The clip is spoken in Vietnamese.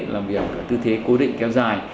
làm việc ở tư thế cố định kéo dài